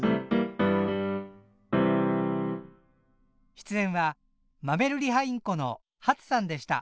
出演はマメルリハインコのはつさんでした。